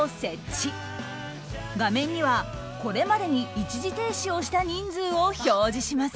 画面にはこれまでに一時停止をした人数を表示します。